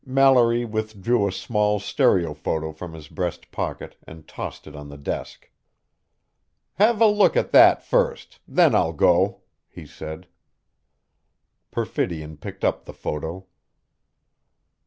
Mallory withdrew a small stereophoto from his breast pocket and tossed it on the desk. "Have a look at that first then I'll go," he said. Perfidion picked up the photo.